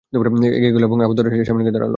এগিয়ে গেল এবং আবু দারদার দরজার সামনে গিয়ে দাঁড়াল।